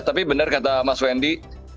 tapi benar kata mas wendy